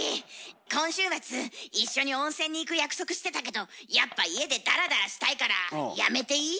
今週末一緒に温泉に行く約束してたけどやっぱ家でダラダラしたいからやめていい？